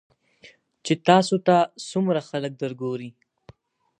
چې تاسو ته څومره خلک درګوري .